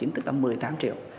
tức là một mươi tám triệu